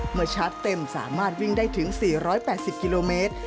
ชาร์จเต็มสามารถวิ่งได้ถึง๔๘๐กิโลเมตร